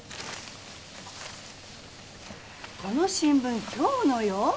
この新聞今日のよ。